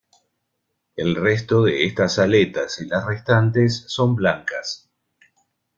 El resto de estas aletas y las restantes son blancas.